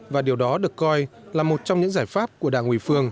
và điều đó được coi là một trong những giải pháp của đảng ủy phường